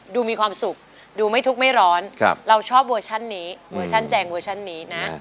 มีความสุขดูไม่ทุกข์ไม่ร้อนเราชอบเวอร์ชันนี้เวอร์ชันแจงเวอร์ชันนี้นะ